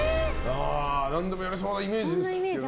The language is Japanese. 何でもやりそうなイメージですけど。